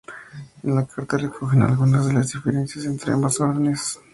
En la carta se recogen algunas de las diferencias entre ambas órdenes.